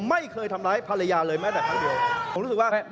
ไม่เคยทำร้ายภรรยาเลยไหมครับ